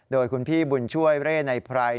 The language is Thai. โดยคุณพี่บุญช่วยเร่ในไพร